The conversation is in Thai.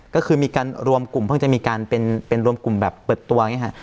ก็คือมีการรวมกลุ่มเพิ่งจะมีการเป็นรวมกลุ่มแบบเปิดตัวอย่างนี้ค่ะ